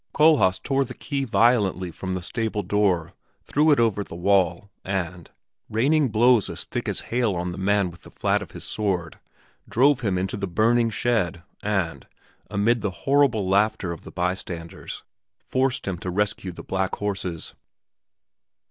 Kohlhaas tore the key violently from the stable door, threw it over the wall, and, raining blows as thick as hail on the man with the flat of his sword, drove him into the burning shed and, amid the horrible laughter of the bystanders, forced him to rescue the black horses.